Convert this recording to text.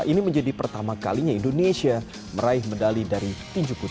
ini menjadi pertama kalinya indonesia meraih medali dari tinju putri